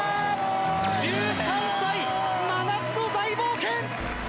１３歳、真夏の大冒険！